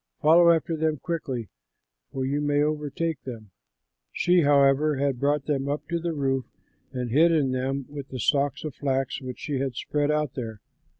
Follow after them quickly, for you may overtake them." She, however, had brought them up to the roof and hidden them with the stalks of flax which she had spread out there.